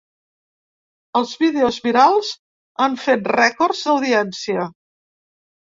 Els vídeos virals han fet rècords d’audiència.